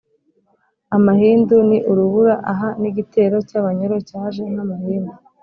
amahindu: ni urubura; aha ni igitero cy’ abanyoro cyaje nk’amahindu